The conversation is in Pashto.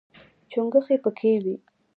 چونګښې پکې وي.